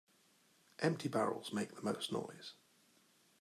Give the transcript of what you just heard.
Empty barrels make the most noise.